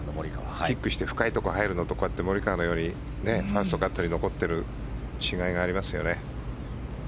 キックして深いところに入るとこうして、モリカワのようにファーストカットに残っている違いがありますよね。